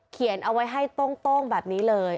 เขียนเอาไว้ให้โต้งแบบนี้เลย